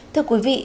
thưa quý vị